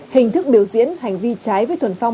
hình thức biểu diễn hành vi trái với thuần phong